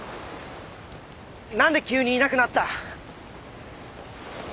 何で急にいなくなった？